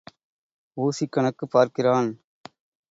Vucic கணக்குப் பார்க்கிறான்.